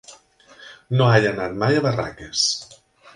No he anat mai a Barraques.